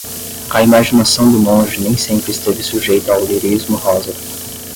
A imaginação do monge nem sempre esteve sujeita ao lirismo rosa.